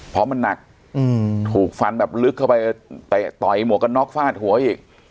เพราะมันหนักถูกฟันแบบลึกเข้าไปเตะต่อยหมวกกันน็อกฟาดหัวอีก